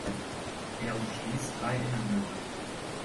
Er umschließt drei Innenhöfe.